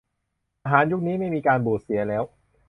อาหารยุคนี้ไม่มีการบูดเสียแล้ว